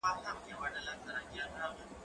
زه کولای سم سينه سپين وکړم،